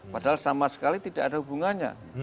padahal sama sekali tidak ada hubungannya